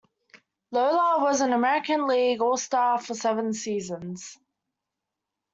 Lollar was an American League All-Star for seven seasons.